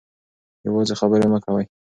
یوازې خبرې مه کوئ.